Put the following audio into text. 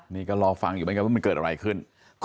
นี่ก็รอฟังอยู่เหมือนกันว่ามันเกิดอะไรขึ้น